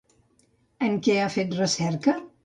En què ha fet recerca?